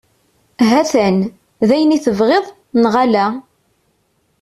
Hatan, d ayen i tebɣiḍ, neɣ ala?